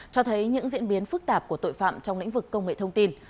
cho thấy những diễn biến phức tạp của tội phạm trong lĩnh vực công nghệ thông tin